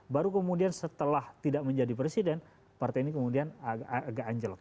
baru kemudian setelah tidak menjadi presiden partai ini kemudian agak anjlok